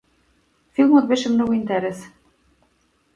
Филмот беше многу интересен.